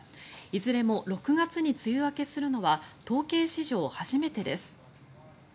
いずれも６月に梅雨明けするのは統計史上初めてです。